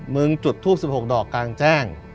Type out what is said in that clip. จุดทูป๑๖ดอกกลางแจ้ง